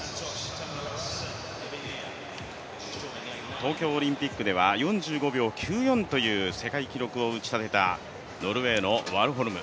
東京オリンピックでは４５秒９４という世界記録を打ち立てたノルウェーのワーホルム。